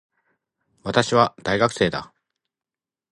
私は、大学生だ。